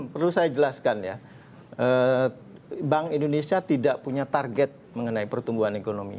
perlu saya jelaskan ya bank indonesia tidak punya target mengenai pertumbuhan ekonomi